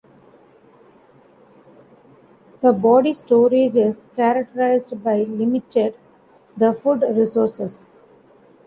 The body storage is characterized by limited the food resources.